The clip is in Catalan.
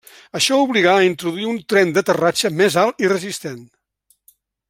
Això obligà a introduir un tren d'aterratge més alt i resistent.